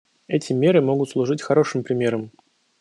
Эти меры могут служить хорошим примером.